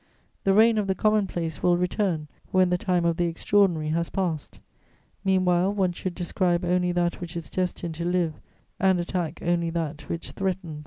The reign of the commonplace will return when the time of the extraordinary has passed: meanwhile, one should describe only that which is destined to live and attack only that which threatens."